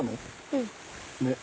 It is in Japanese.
うん。